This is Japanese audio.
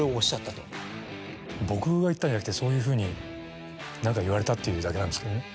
僕が言ったんじゃなくてそういうふうに何か言われたっていうだけなんですけどね